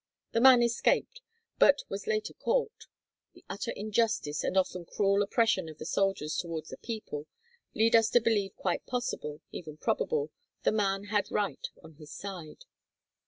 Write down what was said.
The man escaped, but was later caught. (The utter injustice and often cruel oppression of the soldiers towards the people, lead us to believe quite possible, even probable, the man had right on his side.)